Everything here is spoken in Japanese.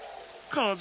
かぜ？